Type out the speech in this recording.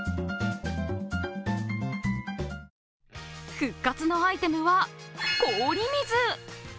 復活のアイテムは氷水！